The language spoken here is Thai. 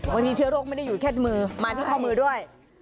เชื้อโรคไม่ได้อยู่แค่มือมาที่ข้อมือด้วย